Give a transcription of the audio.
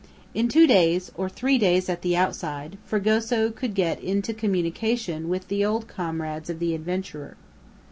In two days, or three days at the outside, Fragoso could get into communication with the old comrades of the adventurer.